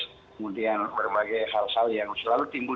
kemudian berbagai hal hal yang selalu timbul